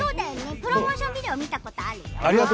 プロモーションビデオ見たことあるよ。